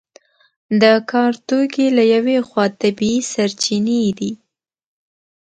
د کار توکي له یوې خوا طبیعي سرچینې دي.